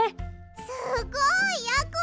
すごいやころ！